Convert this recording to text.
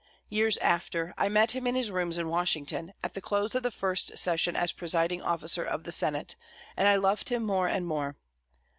Years after, I met him in his rooms in Washington, at the close of the first session as presiding officer of the Senate, and I loved him more and more.